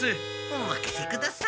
おまかせください！